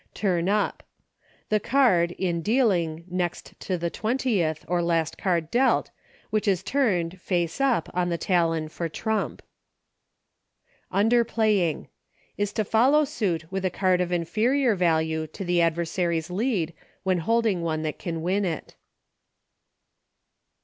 Turn Up. The card, in dealing, next to the twentieth, or last card dealt, which is turned, face up, on the talon for trump. Underplaying. Is to follow suit with a card of inferior value to the adversary's lead when holding one that can win it.